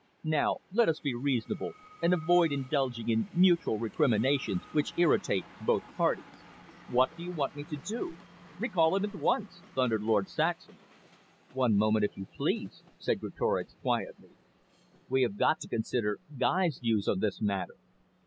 "Now let us be reasonable and avoid indulging in mutual recriminations which irritate both parties. What do you want me to do?" "Recall him at once," thundered Lord Saxham. "One moment, if you please," said Greatorex quietly. "We have got to consider Guy's views on this matter.